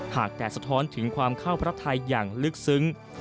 หากแต่สะท้อนถึงความเข้าพระไทยอย่างลึกซึ้ง